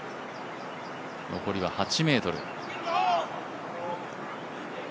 残りは８ｍ。